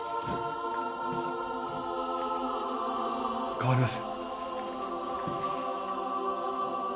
代わります